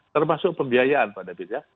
termasuk pembiayaan pak david ya